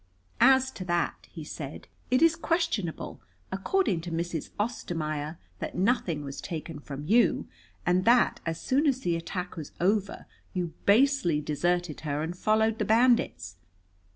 "As to that," he said, "it is questionable, according to Mrs. Ostermaier, that nothing was taken from you, and that as soon as the attack was over you basely deserted her and followed the bandits.